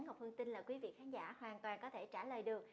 ngọc hương tin là quý vị khán giả hoàn toàn có thể trả lời được